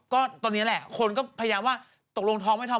ก็ตอนนี้แหละคนก็พยายามว่าตกลงท้องไม่ท้อง